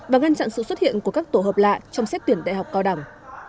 và ngăn chặn sự xuất hiện của các tổ hợp lạ trong xét tuyển đại học cao đẳng